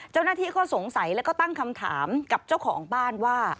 เจ้าหน้าที่ก็สงสัยแล้วก็ตั้งคำถามกับเจ้าของบ้านว่า